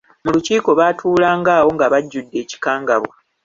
Mu lukiiko baatuulanga awo nga bajjudde ekikangabwa.